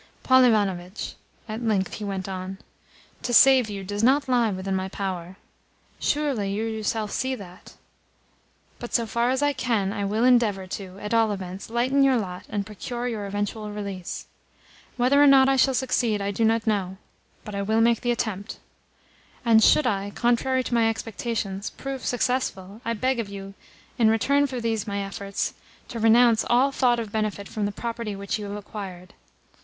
"Paul Ivanovitch," at length he went on, "to save you does not lie within my power. Surely you yourself see that? But, so far as I can, I will endeavour to, at all events, lighten your lot and procure your eventual release. Whether or not I shall succeed I do not know; but I will make the attempt. And should I, contrary to my expectations, prove successful, I beg of you, in return for these my efforts, to renounce all thought of benefit from the property which you have acquired.